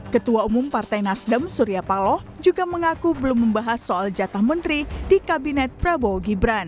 ketua umum partai nasdem surya paloh juga mengaku belum membahas soal jatah menteri di kabinet prabowo gibran